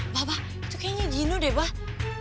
bapak itu kaya gino deh bapak